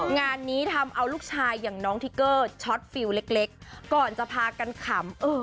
งานนี้ทำเอาลูกชายอย่างน้องทิเกอร์ช็อตฟิลเล็กก่อนจะพากันขำ